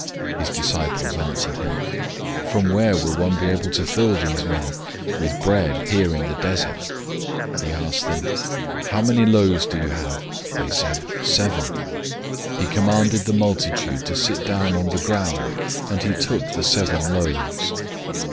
008:004 His disciples answered him, "From where could one satisfy these people with bread here in a deserted place?" 008:005 He asked them, "How many loaves do you have?" They said, "Seven." 008:006 He commanded the multitude to sit down on the ground, and he took the seven loaves.